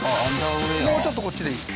もうちょっとこっちでいい。